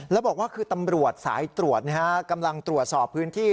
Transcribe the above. แล้วบอกว่าคือตำรวจสายตรวจกำลังตรวจสอบพื้นที่